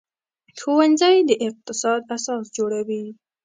ښوونځی د اقتصاد اساس جوړوي